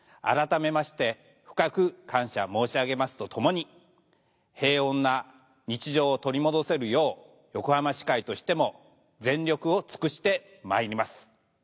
改めまして深く感謝申し上げますとともに平穏な日常を取り戻せるよう横浜市会としても全力を尽くしてまいります。